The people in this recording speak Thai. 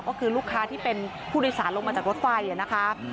ก็คือลูกค้าที่เป็นผู้โดยสารลงมาจากรถไฟนะคะ